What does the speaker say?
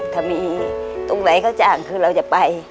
ถ้ามีตรงไหนก็จ่างคือเราจะไป